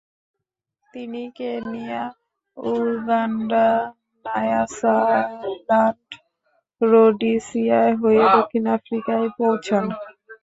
তিনি Kenya, Uganda, Nyasaland, Rhodesia হয়ে দক্ষিণ আফ্রিকায় পৌঁছান।